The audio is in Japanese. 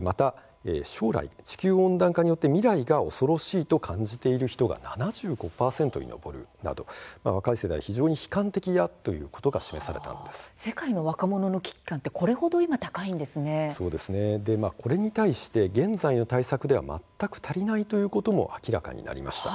また将来、地球温暖化で「未来が恐ろしい」と感じている人が７５％に上ったと非常に悲観的だということが世界の若者の危機感はこれに対して現在の対策では全く足りないということが明らかになりました。